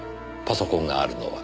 パソコンがあるのは。